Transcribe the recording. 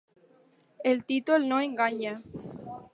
El títol no enganya.